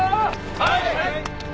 はい！